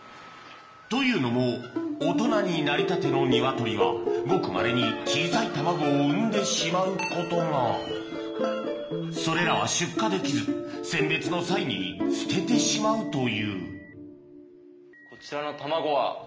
というのも大人になりたての鶏はごくまれに小さい卵を産んでしまうことがそれらは出荷できず選別の際に捨ててしまうというこちらの卵は？